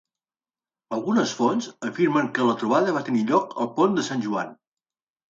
Algunes fonts afirmen que la trobada va tenir lloc al pont de San Juan.